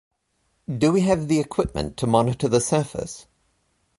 Do we have the equipment to monitor the surface?